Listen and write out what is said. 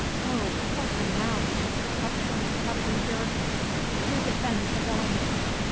Oh, what a mass of corruption have we here! Who defends the villains?